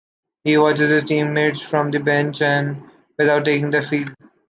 He watches his team mates from the bench, without taking the field.